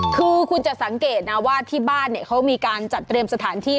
คือคุณจะสังเกตนะว่าที่บ้านเนี่ยเขามีการจัดเตรียมสถานที่